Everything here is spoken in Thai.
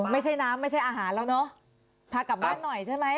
ไม่ใช่น้ำไม่ใช่อาหารแล้วเนอะพากลับบ้านหน่อยใช่ไหม